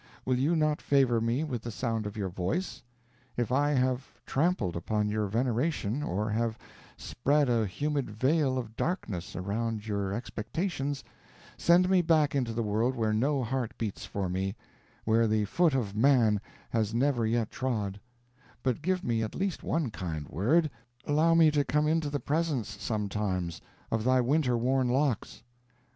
Will you not favor me with the sound of your voice? If I have trampled upon your veneration, or have spread a humid veil of darkness around your expectations, send me back into the world where no heart beats for me where the foot of man has never yet trod; but give me at least one kind word allow me to come into the presence sometimes of thy winter worn locks."